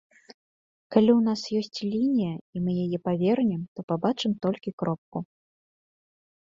Калі ў нас ёсць лінія і мы яе павернем, то пабачым толькі кропку.